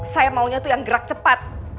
saya maunya tuh yang gerak cepat